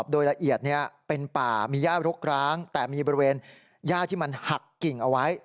โดยละเอียดเป็นป่ามีย่ารกร้างแต่มีบริเวณย่าที่มันหักกิ่งเอาไว้